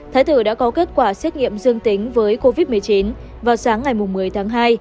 thái thử đã có kết quả xét nghiệm dương tính với covid một mươi chín vào sáng ngày một mươi tháng hai